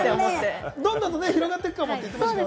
どんどん広がっていくかもなんて言ってましたね。